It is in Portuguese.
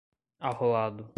arrolado